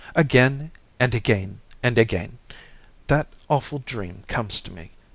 Again, and again, and again, that awful dream comes to me.